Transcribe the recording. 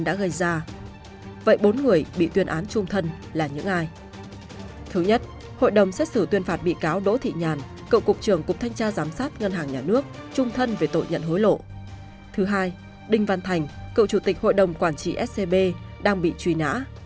đinh văn thành cậu chủ tịch hội đồng quản trị scb đang bị truy nã